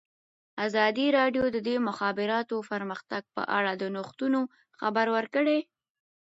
ازادي راډیو د د مخابراتو پرمختګ په اړه د نوښتونو خبر ورکړی.